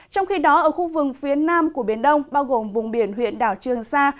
trong khi đó ở khu vực phía nam của biển đông bao gồm vùng biển huyện đảo trường sa